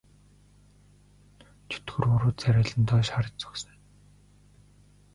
Чөтгөр уруу царайлан доош харж зогсоно.